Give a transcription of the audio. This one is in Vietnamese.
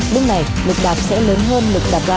lúc này lực đạp sẽ lớn hơn lực đạp ga